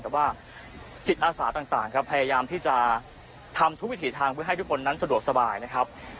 แต่ว่าจิตอาสาต่างครับพยายามที่จะทำทุกวิถีทางเพื่อให้ทุกคนนั้นสะดวกสบายนะครับ